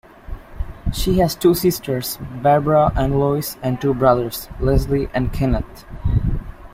She has two sisters, Barbara and Lois, and two brothers, Leslie and Kenneth.